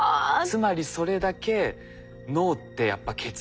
つまりそれだけ脳ってやっぱ血液が大事。